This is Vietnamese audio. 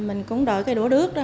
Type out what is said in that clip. mình cũng đổi cái đũa đước ra